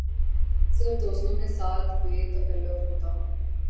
صرف دوستوں کے ساتھ بے تکلف ہوتا ہوں